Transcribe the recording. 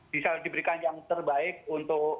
bisa diberikan yang terbaik untuk